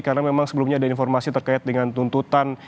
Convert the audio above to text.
karena memang sebelumnya ada informasi terkait dengan tuntutan